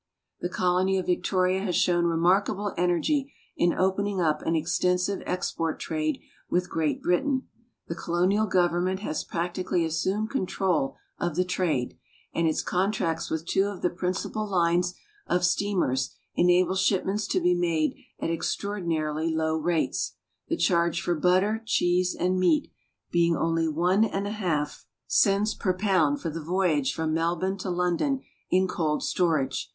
The colony of Victoria has shown remarkable energy in opening up an extensive exi>ort trade with ( Jreat Britain. The colonial government has jiractically a.xsumed control of the traile, and its contracls with (wo of the principal lines of steamers enable shipments to he made at extraor dinarily low rates, the charge for butter, cheese, and meat being only U III 412 MISCELLANEA cents per pound for the voyage from Melbourne to London in cold storage.